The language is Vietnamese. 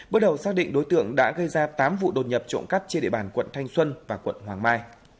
bước đầu xác định đối tượng đã gây ra tám vụ đột nhập trộm cắp trên địa bàn quận thanh xuân và quận hoàng mai